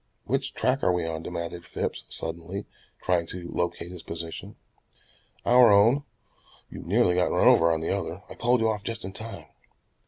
"Which track are we on?" demanded Phipps suddenly, trying to locate his position. "Our own. You nearly got run over on the other. I pulled you off just in time."